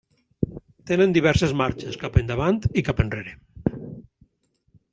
Tenen diverses marxes cap endavant i cap enrere.